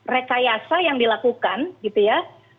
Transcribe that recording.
rekayasa yang dilakukan gitu ya